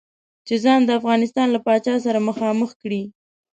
چې ځان د افغانستان له پاچا سره مخامخ کړي.